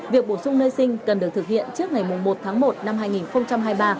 việc bổ sung nơi sinh cần được thực hiện trước ngày một tháng một năm hai nghìn hai mươi ba